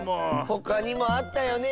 ほかにもあったよね